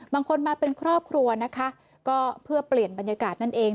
บางคนมาเป็นครอบครัวนะคะก็เพื่อเปลี่ยนบรรยากาศนั่นเอง